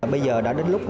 bây giờ đã đến lúc